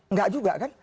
nggak juga kan